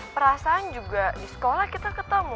perasaan juga di sekolah kita ketemu